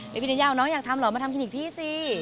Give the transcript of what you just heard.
พี่ธัญญาบอกน้องอยากทำเหรอมาทำคลินิกพี่สิ